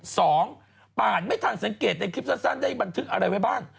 สองป่านไม่ทันสังเกตในคลิปสั้นได้บันทึกอะไรไว้บ้าง